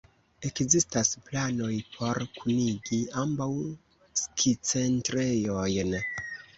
Ekzistas planoj por kunigi ambaŭ skicentrejojn.